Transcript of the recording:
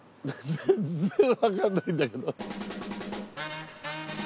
全然わかんないんだけど。